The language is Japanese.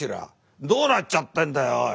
どうなっちゃってんだよおい。